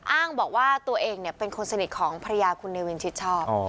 อ้างบอกว่าตัวเองเป็นคนสนิทของภรรยาคุณเนวินชิดชอบ